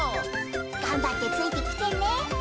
頑張ってついてきてね。